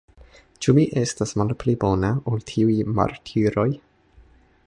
Ĉu mi estas malpli bona, ol tiuj martiroj?